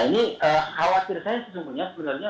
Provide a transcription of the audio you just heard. ini khawatir saya sebenarnya